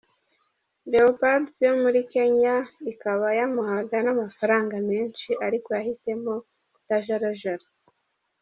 Leopards yo muri Kenya ikaba yamuhaga n’amafaranga menshi ariko yahisemo kutajarajara.